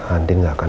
andi gak akan